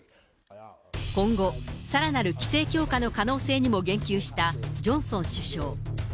今後、さらなる規制強化の可能性にも言及したジョンソン首相。